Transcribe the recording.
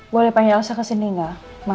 boleh panggil elsa kesini gak ma